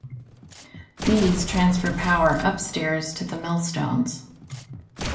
These transfer power upstairs to the millstones.